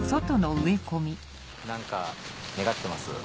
何か願ってます？